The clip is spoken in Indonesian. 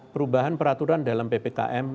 perubahan peraturan dalam ppkm